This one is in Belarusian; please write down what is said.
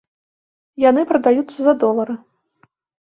Яны прадаюцца за долары.